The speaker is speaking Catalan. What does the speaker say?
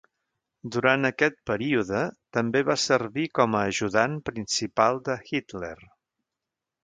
Durant aquest període, també va servir com a Ajudant Principal de Hitler.